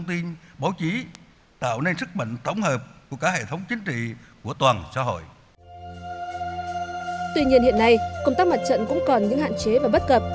tuy nhiên hiện nay công tác mặt trận cũng còn những hạn chế và bất cập